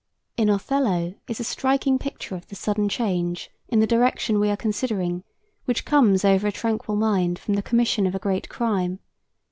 In "Othello" is a striking picture of the sudden change, in the direction we are considering, which comes over a tranquil mind from the commission of a great crime.